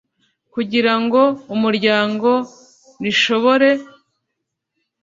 kugira ngo umuryango rishobore